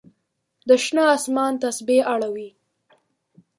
د شنه آسمان تسپې اړوي